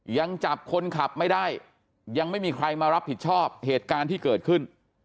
ยังจับคนขับไม่ได้ยังไม่มีใครมารับผิดชอบเหตุการณ์ที่เกิดขึ้น